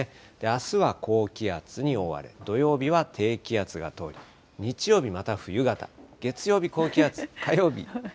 あすは高気圧に覆われて、土曜日は低気圧が通り、日曜日また冬型、日替わりですね。